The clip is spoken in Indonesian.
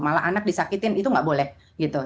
malah anak disakitin itu nggak boleh gitu